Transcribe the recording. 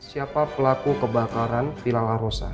siapa pelaku kebakaran villa la rosa